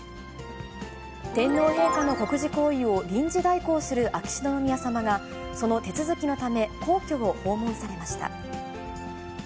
天皇陛下の国事行為を臨時代行する秋篠宮さまがその手続きのため、皇居を訪問されました。